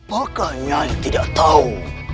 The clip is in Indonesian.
bagaimana tidak tahu